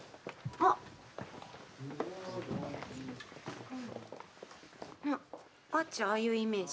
わっちああいうイメージ。